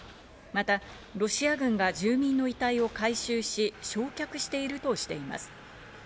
また、ロシア軍が住民の遺体を回収し、焼却しているとしています。